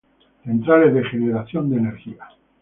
Centrales de generación de energía.